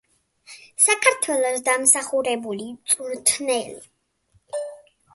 საქართველოს დამსახურებული მწვრთნელი.